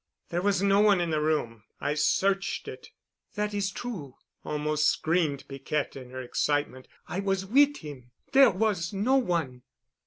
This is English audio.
"There was no one in the room. I searched it." "That is true," almost screamed Piquette in her excitement. "I was wit' 'im. There was no one."